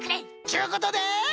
ちゅうことで。